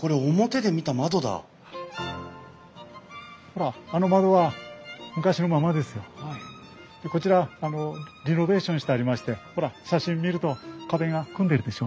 でこちらリノベーションしてありましてほら写真見ると壁が組んでるでしょ。